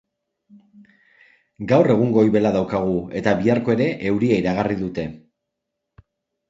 Gaur egun goibela daukagu eta biharko ere euria iragarri dute.